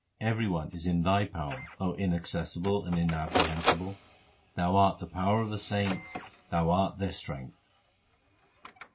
Every one is in Thy power, Inaccessible and Inappre hensible. Thou art in the power of the saints ; Thou art their strength.